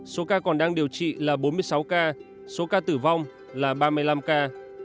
số ca còn đang điều trị là bốn mươi sáu ca số ca tử vong là ba mươi năm ca